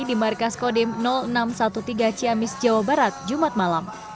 di markas kodim enam ratus tiga belas ciamis jawa barat jumat malam